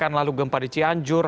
pekan lalu gempa di cianjur